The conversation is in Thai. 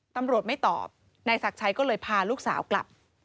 ตำรวจไม่ตอบนายศักดิ์ชัยก็เลยพาลูกสาวกลับ